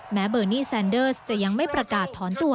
เบอร์นี่แซนเดอร์สจะยังไม่ประกาศถอนตัว